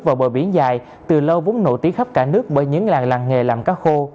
vào bờ biển dài từ lâu vốn nổi tiếng khắp cả nước bởi những làng làng nghề làm cá khô